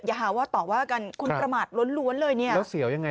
อย่าหาว่าต่อว่ากันคุณประมาทล้วนล้วนเลยเนี่ยแล้วเสียวยังไง